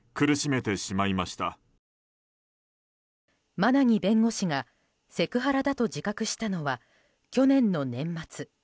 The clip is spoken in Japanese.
馬奈木弁護士がセクハラだと自覚したのは、去年の年末。